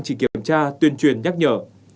chỉ kiểm tra tuyên truyền nhắc nhở